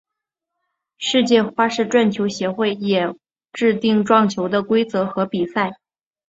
世界花式撞球协会也制定撞球的规则和比赛。